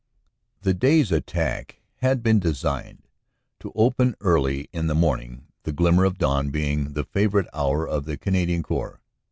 The day s attack had been designed to open early in the morning, the glimmer of dawn being the favorite hour of the Canadian Corps.